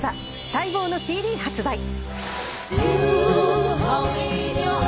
待望のＣＤ発売。